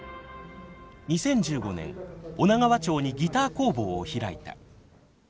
２０１５年女川町にギター工房を開いた。